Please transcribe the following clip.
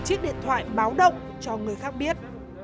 chiếc điện thoại báo động cho người khác biết